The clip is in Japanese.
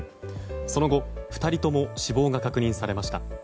その後、２人とも死亡が確認されました。